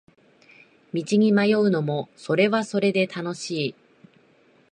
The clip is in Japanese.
道に迷うのもそれはそれで楽しい